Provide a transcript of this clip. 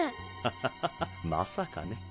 ハハハハまさかね。